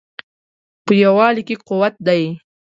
په یووالي کې قوت دی